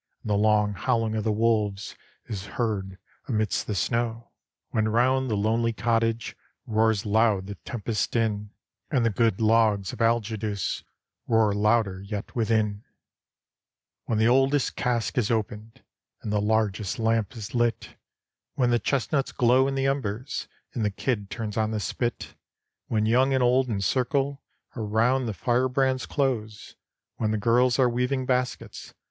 And the long howling of the wolves Is heard amidst the snow; 28S HORATIUS When round the lonely cottage Roars loud the tempest's din, And the good logs of Algidus Roar louder yet within; When the oldest cask is opened, And the largest lamp is ht; When the chestnuts glow in the embers. And the kid turns on the spit; When young and old in circle Around the firebrands close; When the girls are weaving baskets.